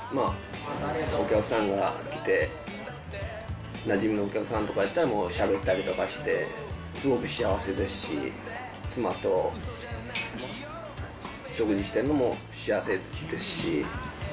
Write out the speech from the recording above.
お客さんが来て、なじみのお客さんとかやったら、しゃべったりとかして、すごく幸せですし、妻と食事してるのも幸せですし。